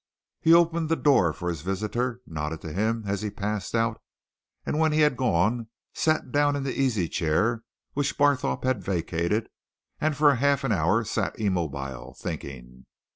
He opened the door for his visitor, nodded to him, as he passed out, and when he had gone sat down in the easy chair which Barthorpe had vacated and for half an hour sat immobile, thinking.